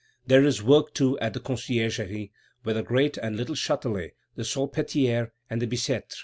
There is work too at the Conciergerie, at the great and little Châtelet, the Salpêtrière, and the Bicêtre.